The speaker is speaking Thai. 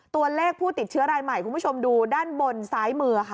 ตัวเลขผู้ติดเชื้อรายใหม่คุณผู้ชมดูด้านบนซ้ายมือค่ะ